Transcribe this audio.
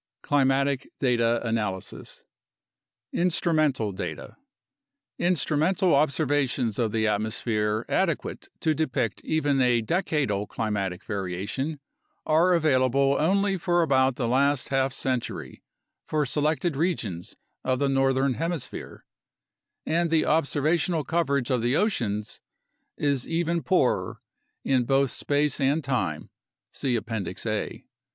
Climatic Data Analysis Instrumental Data Instrumental observations of the atmosphere ade quate to depict even a decadal climatic variation are available only for about the last half century for selected regions of the northern hemisphere, and the observational coverage of the oceans is even poorer in both space and time (see Appendix A).